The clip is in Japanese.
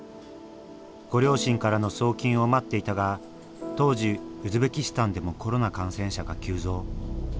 ご両親からの送金を待っていたが当時ウズベキスタンでもコロナ感染者が急増。